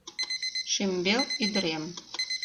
Шӱмбел ӱдырем!